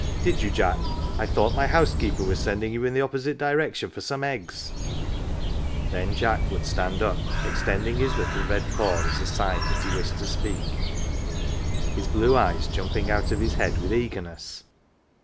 " Did you, Jack ? I thought ray housekeeper was sending you in the opposite direction for some eggs ?" Then Jack would stand up, extending his little red paw as a sign that he wished to speak : his blue eyes jumping out of his head with eagerness.